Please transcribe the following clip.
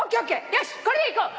よしこれでいこう。